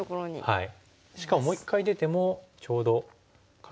はい。